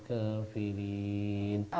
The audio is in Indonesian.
kisah hidupnya yang terbaik